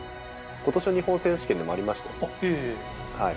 ことしの日本選手権でもありましたよ。